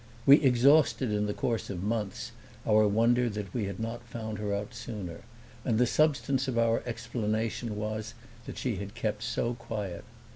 We exhausted in the course of months our wonder that we had not found her out sooner, and the substance of our explanation was that she had kept so quiet.